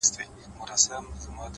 زما د فكر د ائينې شاعره !!